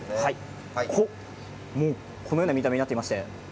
このような見た目になっています。